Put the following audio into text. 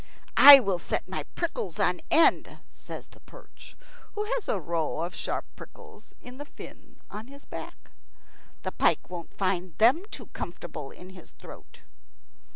"I will set my prickles on end," says the perch, who has a row of sharp prickles in the fin on his back. "The pike won't find them too comfortable in his throat."